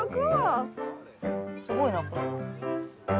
すごいなこれ。